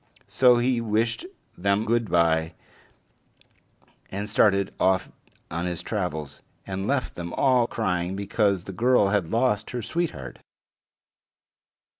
So he wished them good by, and started off on his travels, and left them all crying because the girl had lost her sweetheart.